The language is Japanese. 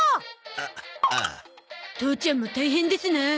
父ちゃんも大変ですな。